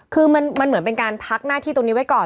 คือมันเหมือนเป็นการพักหน้าที่ตรงนี้ไว้ก่อน